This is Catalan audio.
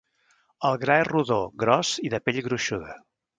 El gra és rodó, gros i de pell gruixuda.